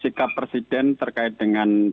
sikap presiden terkait dengan